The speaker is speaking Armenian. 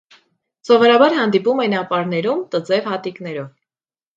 Սովորաբար հանդիպում են ապարներում տձև հատիկներով։